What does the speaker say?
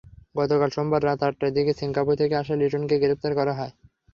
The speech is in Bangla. গতকাল সোমবার রাত আটটার দিকে সিঙ্গাপুর থেকে আসা লিটনকে গ্রেপ্তার করা হয়।